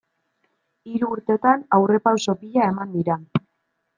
Hiru urtetan aurrerapauso pila eman dira.